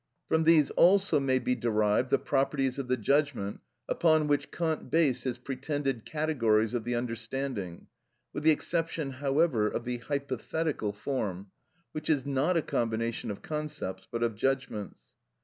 From these also may be derived the properties of the judgment, upon which Kant based his pretended categories of the understanding, with the exception however of the hypothetical form, which is not a combination of concepts, but of judgments.